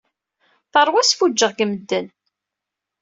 Teṛwa asfuǧǧeɣ deg medden.